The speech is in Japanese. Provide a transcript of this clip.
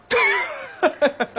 ハハハハ！